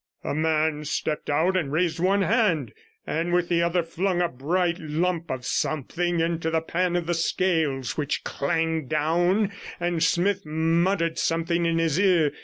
A man stepped out and raised one hand, and with the other flung a bright lump of something into the pan of the scales, which clanged down, and Smith muttered something in his ear.